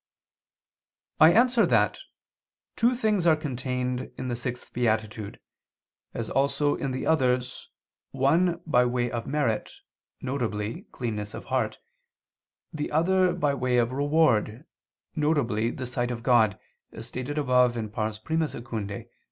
I answer that, Two things are contained in the sixth beatitude, as also in the others, one by way of merit, viz. cleanness of heart; the other by way of reward, viz. the sight of God, as stated above (I II, Q.